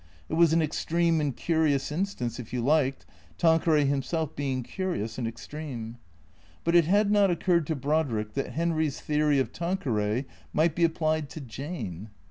It was an extreme and curious instance, if you liked, Tanqueray himself being curious and extreme. But it had not occurred to Brodrick that Henry's theory of Tanqueray might be applied to Jane.